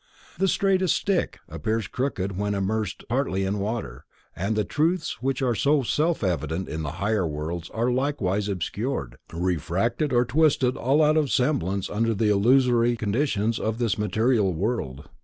The straightest stick appears crooked when partly immersed in water, and the truths which are so self evident in the Higher worlds are likewise obscured, refracted or twisted out of all semblance under the illusory conditions of this material world.